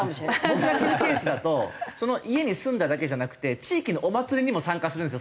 僕が知るケースだとその家に住んだだけじゃなくて地域のお祭りにも参加するんですよ